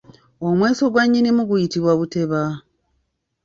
Omweso gwa Nnyinimu guyitibwa buteba.